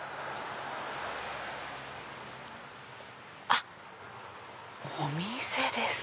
あっお店です。